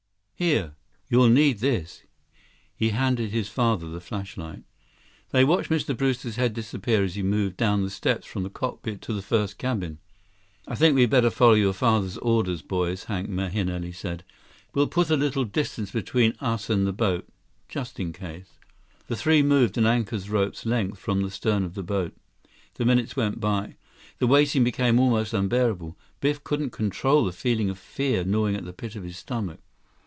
94 "Here, you'll need this." He handed his father the flashlight. They watched Mr. Brewster's head disappear as he moved down the steps from the cockpit to the first cabin. "I think we'd better follow your father's orders, boys," Hank Mahenili said. "We'll put a little distance between us and the boat—just in case." The three moved an anchor rope's length from the stem of the boat. The minutes went by. The waiting became almost unbearable. Biff couldn't control the feeling of fear gnawing at the pit of his stomach.